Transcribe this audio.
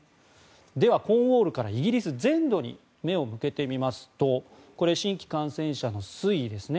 では、コーンウォールからイギリス全土に目を向けてみますと新規感染者の推移ですね。